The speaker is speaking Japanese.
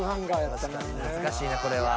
難しいなこれは。